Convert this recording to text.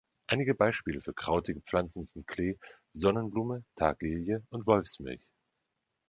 Einige Beispiele für krautige Pflanzen sind Klee, Sonnenblume, Taglilie und Wolfsmilch.